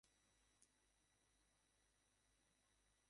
রেস্তোরাঁর লনটি বিদেশিদের জন্য পছন্দের হওয়ায় তাঁরা প্রায় সেখানে খেতে যান।